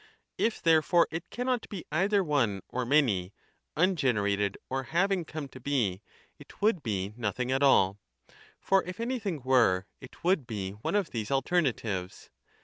If therefore, it cannot be either one or many, ungenerated or having come to be, it would be nothing at all. For if anything 20 were, it would be one of these alternatives.